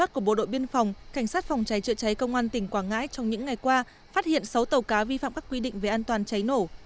trong bộ đội biên phòng cảnh sát phòng cháy trợ cháy công an tỉnh quảng ngãi trong những ngày qua phát hiện sáu tàu cá vi phạm các quy định về an toàn cháy nổ